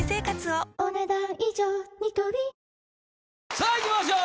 さあいきましょう！